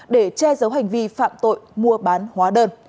để che giấu hành vi phạm tội mua bán hóa đơn